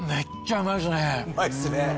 うまいっすね。